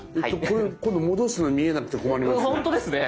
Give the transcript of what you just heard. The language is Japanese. これ今度戻すのに見えなくて困りますね。